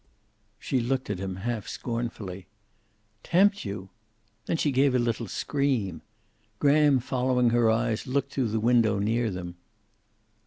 She looked at him half scornfully. "Tempt you!" Then she gave a little scream. Graham following her eyes looked through the window near them.